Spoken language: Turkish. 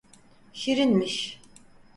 Şirinmiş.